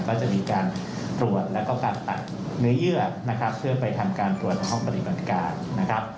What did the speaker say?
ก็จะมีการตรวจแล้วก็การตัดเนื้อเยื่อนะครับเพื่อไปทำการตรวจในห้องปฏิบัติการนะครับ